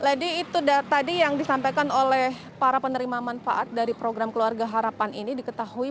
lady itu tadi yang disampaikan oleh para penerima manfaat dari program keluarga harapan ini diketahui